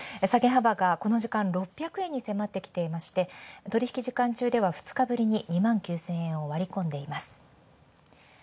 下げ幅がこの時間６００円に迫ってきていまして取引時間中では２日ぶりに、２万９０００円を割り込んでいます。